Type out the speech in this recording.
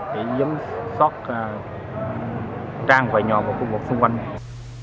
để giấm sót trang vài nhòa vào khu vực xung quanh